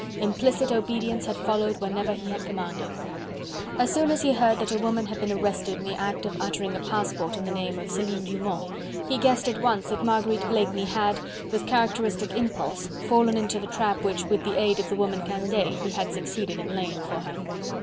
Implicit obedience had followed whenever he had commanded. As soon as he heard that a woman had been arrested in the act of uttering a passport in the name of Celine Dumont, he guessed at once that Marguerite Blakeney had, with characteristic impulse, fallen into the trap which, with the aid of the woman Candeille, he had succeeded in laying for her.